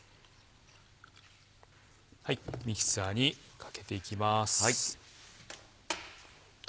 はいミキサーにかけていきます。